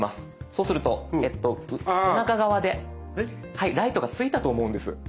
そうすると背中側でライトがついたと思うんです。